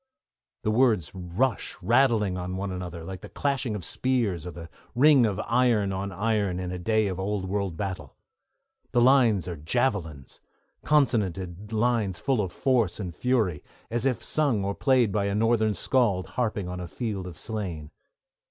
The words rush rattling on one another, like the clashing of spears or the ring of iron on iron in a day of old world battle. The lines are javelins, consonanted lines full of force and fury, as if sung or played by a northern skald harping on a field of slain.